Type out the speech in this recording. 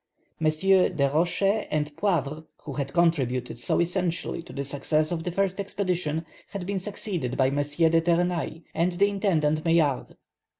MM. de Roches and Poivre, who had contributed so essentially to the success of the first expedition, had been succeeded by M. de Ternay and the Intendant Maillard.